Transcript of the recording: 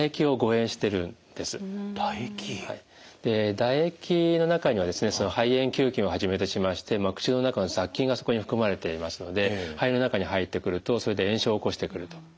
唾液の中には肺炎球菌をはじめとしまして口の中の雑菌がそこに含まれていますので肺の中に入ってくるとそれで炎症を起こしてくると。